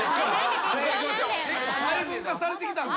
細分化されてきたんか。